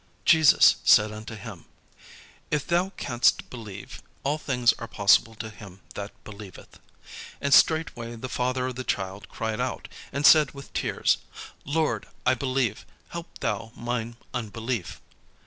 Jesus said unto him, "If thou canst believe, all things are possible to him that believeth." And straightway the father of the child cried out, and said with tears, "Lord, I believe; help thou mine unbelief."